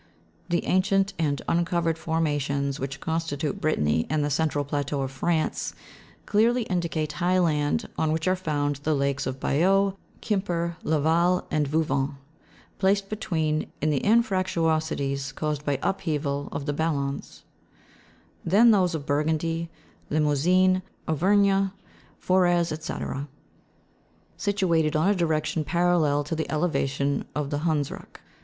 The ancient and uncovered formations, which constitute Brittany and the central plateau of France, clearly indicate high land, on which are found the lakes of Bayeux, duimper, Laval, and Vouvant, placed perhaps in the anfractuosities caused by upheaval of the ballons ; then those of Buro undy, Limousin, Auvergne, Forez, &c., situated on a direction parallel to the elevation of the Hundsruck.